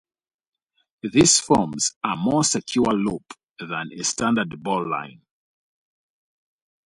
This forms a more secure loop than a standard bowline.